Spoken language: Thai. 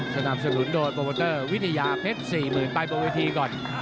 สนับสนุนโดยโปรโมเตอร์วิทยาเพชร๔๐๐๐ไปบนเวทีก่อน